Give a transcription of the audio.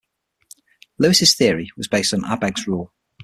Lewis's theory was based on Abegg's rule.